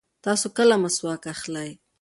تاسو کله مسواک اخلئ؟